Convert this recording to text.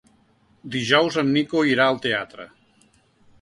Dijous en Nico irà al teatre.